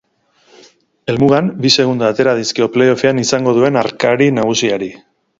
Helmugan, bi segundo atera dizkio playoffean izango duen arkari nagusiari.